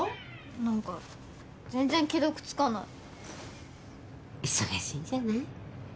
何か全然既読つかない忙しいんじゃない？